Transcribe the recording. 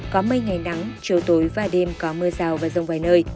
có mây ngày nắng chiều tối và đêm có mưa rào và rông vài nơi